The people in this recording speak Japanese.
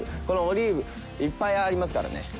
このオリーブいっぱいありますからね。